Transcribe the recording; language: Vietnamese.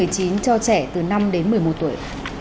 cho trẻ từ năm đến một mươi một tuổi